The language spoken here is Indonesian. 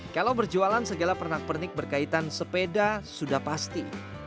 kalau berjualan segala pernak pernik berkaitan sepeda sudah pasti